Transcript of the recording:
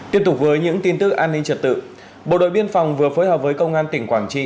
tiếp tục với những tin tức an ninh trật tự bộ đội biên phòng vừa phối hợp với công an tỉnh quảng trị